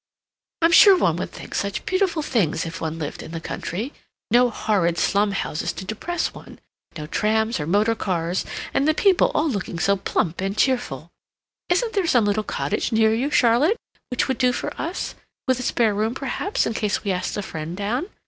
"I'm sure one would think such beautiful things if one lived in the country. No horrid slum houses to depress one, no trams or motor cars; and the people all looking so plump and cheerful. Isn't there some little cottage near you, Charlotte, which would do for us, with a spare room, perhaps, in case we asked a friend down?